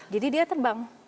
jadi dia terbang